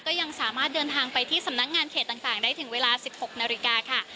ก็ยังสามารถเดินทางไปที่สำนักงานเขตต่างได้ถึงเวลา๑๖นาฬิกาค่ะ